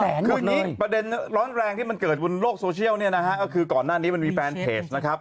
คืออย่างนี้ประเด็นร้อนแรงที่มันเกิดบนโลกโซเชียลเนี่ยนะฮะก็คือก่อนหน้านี้มันมีแฟนเพจนะครับ